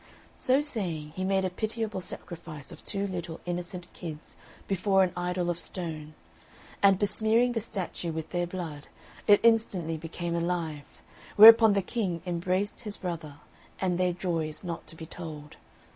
So saying, he made a pitiable sacrifice of two little innocent kids before an idol of stone, and besmearing the statue with their blood, it instantly became alive; whereupon the King embraced his brother, and their joy is not to be told.